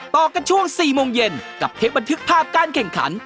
ต่อกันช่วง๔โมงเย็นกับเทปบันทึกภาพการแข่งขัน